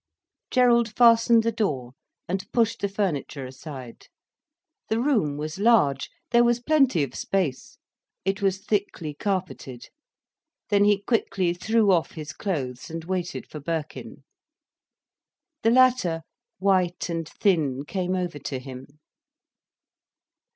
Gerald fastened the door and pushed the furniture aside. The room was large, there was plenty of space, it was thickly carpeted. Then he quickly threw off his clothes, and waited for Birkin. The latter, white and thin, came over to him.